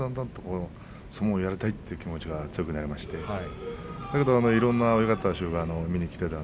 やっているうちに相撲をやりたいという気持ちが強くなりましていろんな親方衆が見に来ていて。